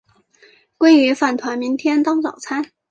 鲑鱼饭团明天当早餐